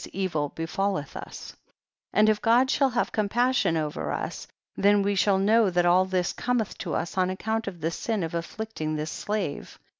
evil befalleth us ; and if God shall have compassion over us, then we shall know that all this cometh to us on account of the sin of afflicting this slave.